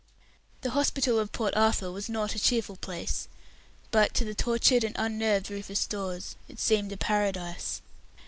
The hospital of Port Arthur was not a cheerful place, but to the tortured and unnerved Rufus Dawes it seemed a paradise.